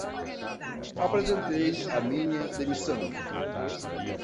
Apresentei a minha demissão.